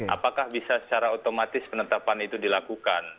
apakah bisa secara otomatis penetapan itu dilakukan